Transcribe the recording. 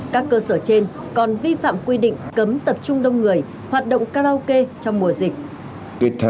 các cơ sở trên còn vi phạm quy định cấm tập trung đông người hoạt động karaoke trong mùa dịch